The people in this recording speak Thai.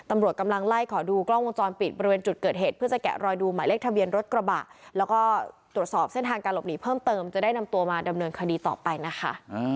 ตำรวจกำลังไล่ขอดูกล้องวงจรปิดบริเวณจุดเกิดเหตุเพื่อจะแกะรอยดูหมายเลขทะเบียนรถกระบะแล้วก็ตรวจสอบเส้นทางการหลบหนีเพิ่มเติมจะได้นำตัวมาดำเนินคดีต่อไปนะคะ